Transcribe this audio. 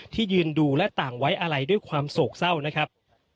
ยืนดูและต่างไว้อะไรด้วยความโศกเศร้านะครับ